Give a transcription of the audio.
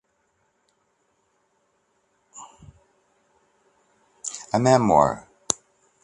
A memoir?